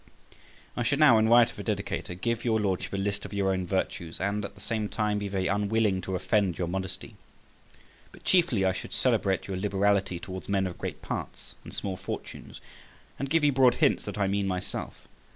I should now, in right of a dedicator, give your Lordship a list of your own virtues, and at the same time be very unwilling to offend your modesty; but chiefly I should celebrate your liberality towards men of great parts and small fortunes, and give you broad hints that I mean myself.